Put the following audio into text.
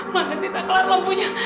mana sih saklar lampunya